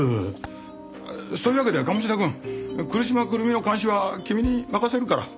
そういうわけで鴨志田くん来島くるみの監視は君に任せるから。